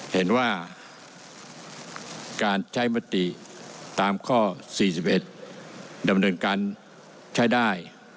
เห็นว่าการใช้มติตามข้อ๔๑ดำเนินการใช้ได้